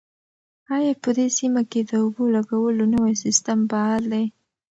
آیا په دې سیمه کې د اوبو لګولو نوی سیستم فعال دی؟